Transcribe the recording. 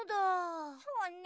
そうね。